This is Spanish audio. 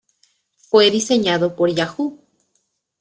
Fue diseñado por Yahoo!